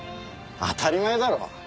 当たり前だろ。